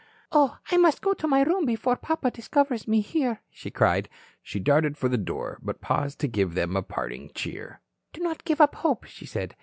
"Oh, I must go to my room before papa discovers me here," she cried. She darted for the door, but paused to give them parting cheer. "Do not give up hope," she said.